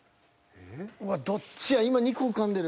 うわどっちや今２個浮かんでる。